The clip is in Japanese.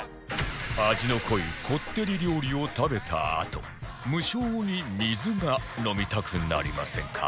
味の濃いこってり料理を食べたあと無性に水が飲みたくなりませんか？